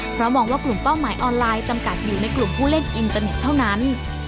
เพราะมองว่ากลุ่มเป้าหมายออนไลน์จำกัดอยู่ในกลุ่มผู้เล่นอินเตอร์เน็ตเท่านั้น